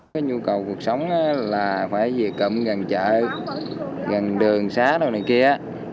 cái nhu cầu cuộc sống là phải về cầm gần chợ gần đường xá đâu này kia